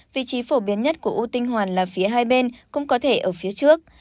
vị trí phổ biến nhất của u tinh hoàn là phía hai bên cũng có thể ở phía trước